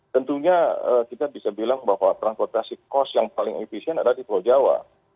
tentunya kita bisa bilang bahwa transportasi kos yang paling efisien adalah di pulau jawa